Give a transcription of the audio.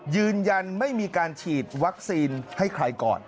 ยืนยันไม่มีการฉีดวัคซีนให้ใครก่อน